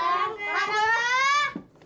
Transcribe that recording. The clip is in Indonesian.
korang kak korang kak